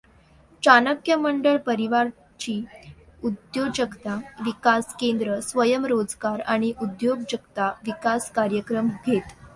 चाणक्य मंडल परिवार ची उद्योजकता विकास केंद्र स्वयंरोजगार आणि उद्योजकता विकास कार्यक्रम घेते.